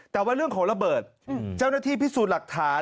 แต่ว่าเรื่องของระเบิดเจ้าหน้าที่พิสูจน์หลักฐาน